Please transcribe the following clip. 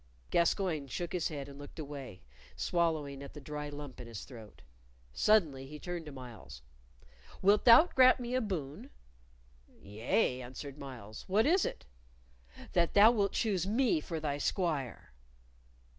Gascoyne shook his head and looked away, swallowing at the dry lump in his throat. Suddenly he turned to Myles. "Wilt thou grant me a boon?" "Yea," answered Myles. "What is it?" "That thou wilt choose me for thy squire."